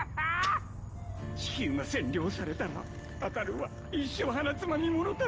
地球が占領されたらあたるは一生鼻つまみ者だぞ。